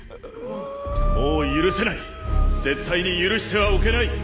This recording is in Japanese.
もう許せない絶対に許してはおけない。